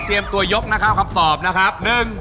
เตรียมตัวยกนะครับคำตอบนะครับ